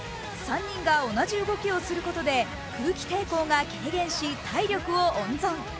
３人が同じ動きをすることで空気抵抗が軽減し、体力を温存。